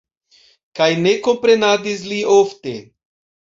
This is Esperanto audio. Kaj ne komprenadis li ofte.